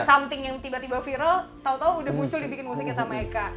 something yang tiba tiba viral tau tau udah muncul dibikin musiknya sama eka